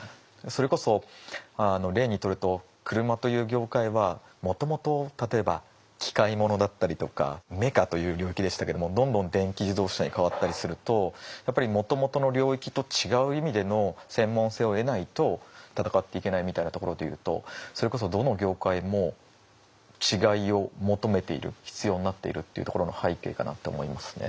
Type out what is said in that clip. それこそ例にとると車という業界はもともと例えば機械物だったりとかメカという領域でしたけどもどんどん電気自動車に変わったりするとやっぱりもともとの領域と違う意味での専門性を得ないと戦っていけないみたいなところでいうとそれこそどの業界も違いを求めている必要になっているというところの背景かなって思いますね。